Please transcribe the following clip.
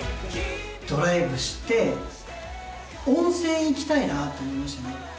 ドライブして、温泉行きたいなって思いましたね。